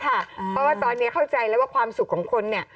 เพราะว่าตอนนี้เข้าใจแล้วว่าความสุขของคนเนี่ย